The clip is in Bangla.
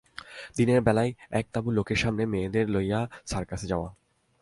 দিনের বেলায় এক-তাঁবু লোকের সামনে মেয়েদের লইয়া সার্কাসে যাওয়া!